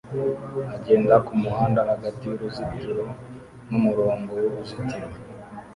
agenda kumuhanda hagati yuruzitiro numurongo wuruzitiro